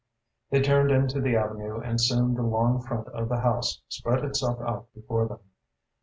They turned into the avenue and soon the long front of the house spread itself out before them.